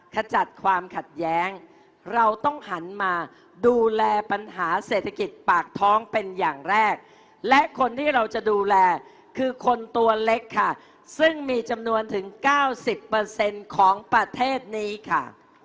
ขจัดความขัดแย้งเราต้องหันมาดูแลปัญหาเศรษฐกิจปากท้องเป็นอย่างแรกและคนที่เราจะดูแลคือคนตัวเล็กค่ะซึ่งมีจำนวนถึง๙๐ของประเทศนี้ค่ะ